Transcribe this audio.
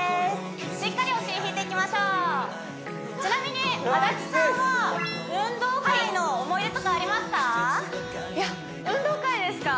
しっかりお尻引いていきましょうちなみに足立さんは運動会ですか？